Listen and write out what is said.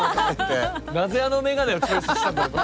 なぜあの眼鏡をチョイスしたんだろう？